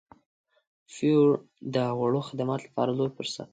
فیور د وړو خدماتو لپاره لوی فرصت دی.